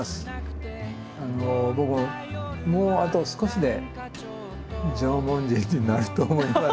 僕ももうあと少しで縄文人になると思います。